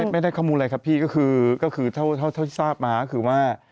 ไม่ได้ข้อมูลอะไรครับพี่ก็คือเท่าที่ทราบมาก็คือว่า